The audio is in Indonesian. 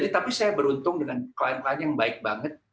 tapi saya beruntung dengan klien klien yang baik banget